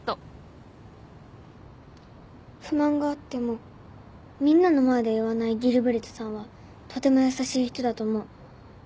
不満があってもみんなの前で言わないギルベルトさんはとても優しい人だと思う。